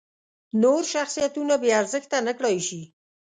نور شخصیتونه بې ارزښته نکړای شي.